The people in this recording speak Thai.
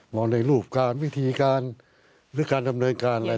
ในรูปการวิธีการหรือการดำเนินการอะไร